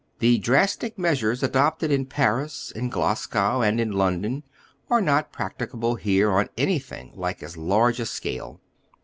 The drastic measures adopted in Paris, in Glasgow, and in London artj not practicable here on anything like as large a scale.